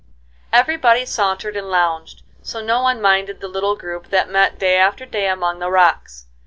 Everybody sauntered and lounged, so no one minded the little group that met day after day among the rocks.